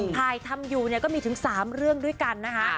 ไทยทำอยู่ก็มีถึง๓เรื่องด้วยกันนะฮะ